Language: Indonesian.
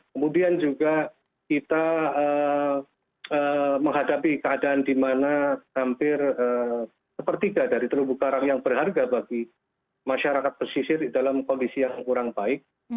kemudian juga kita menghadapi keadaan di mana hampir sepertiga dari terumbu karang yang berharga bagi masyarakat pesisir di dalam kondisi yang kurang baik